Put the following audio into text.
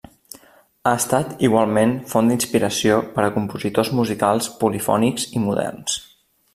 Ha estat igualment font d'inspiració per a compositors musicals polifònics i moderns.